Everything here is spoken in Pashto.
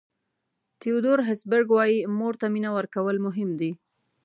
تیودور هسبرګ وایي مور ته مینه ورکول مهم دي.